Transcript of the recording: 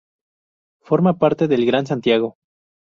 Forma parte del Gran Santiago.